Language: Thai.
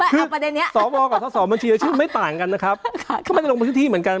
คือสอวอกับสอบบัญชีรายชื่อไม่ต่างกันนะครับเขาไม่ได้ลงพื้นที่เหมือนกัน